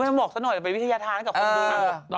ไม่ต้องบอกสักหน่อยเป็นวิทยาทานกับคนดู